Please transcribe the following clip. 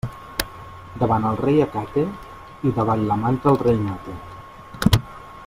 Davant el rei acate i davall la manta el rei mate.